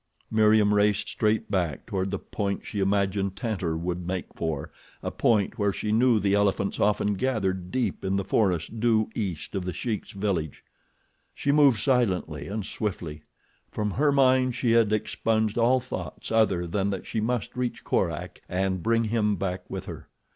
Meriem raced straight back toward the point she imagined Tantor would make for—a point where she knew the elephants often gathered deep in the forest due east of The Sheik's village. She moved silently and swiftly. From her mind she had expunged all thoughts other than that she must reach Korak and bring him back with her.